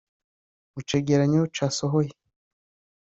Mu cegeranyo casohoye